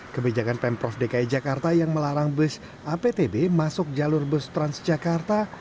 kebijakan pemprov dki jakarta yang melarang bus aptb masuk jalur bus transjakarta